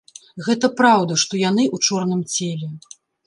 Гэта праўда, што яны ў чорным целе.